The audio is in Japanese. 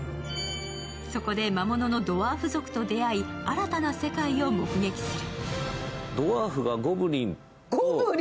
そこで、魔物のドワーフ族と出会い新たな世界を目撃する。